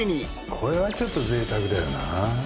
これはちょっとぜいたくだよな。